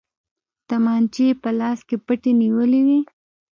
تمانچې يې په لاسو کې پټې نيولې وې.